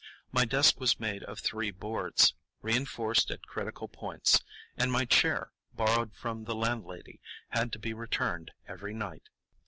My desk was made of three boards, reinforced at critical points, and my chair, borrowed from the landlady, had to be returned every night.